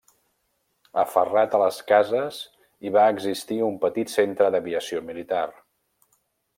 Aferrat a les cases hi va existir un petit centre d'aviació militar.